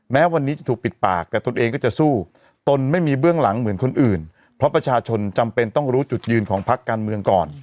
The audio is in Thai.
แม้วันนี้จะถูกปิดปากแต่ตนเองก็จะสู้ตนไม่มีเบื้องหลังเหมือนคนอื่นเพราะประชาชนจำเป็นต้องรู้จุดยืนของพักการเมืองก่อน